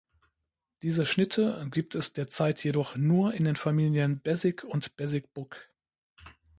Diese Schnitte gibt es derzeit jedoch nur in den Familien "Basic" und "Basic Book".